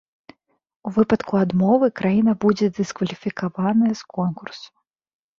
У выпадку адмовы краіна будзе дыскваліфікаваная з конкурсу.